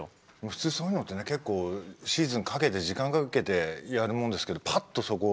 普通そういうのってねシーズンかけて時間かけてやるもんですけどぱっとそこ。